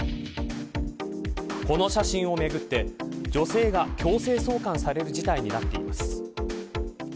この写真をめぐって女性が強制送還される事態になっています。